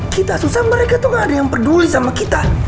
kita susah mereka tuh gak ada yang peduli sama kita